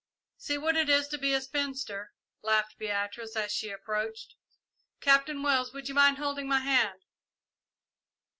"See what it is to be a spinster," laughed Beatrice, as she approached. "Captain Wells, would you mind holding my hand?"